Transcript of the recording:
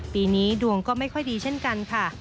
ปีนี้ดวงก็ไม่ค่อยดีเช่นกันค่ะ